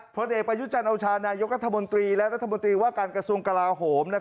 ผลเอกประยุจันทร์โอชานายกรัฐมนตรีและรัฐมนตรีว่าการกระทรวงกลาโหม